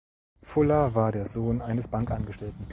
Fuller war der Sohn eines Bankangestellten.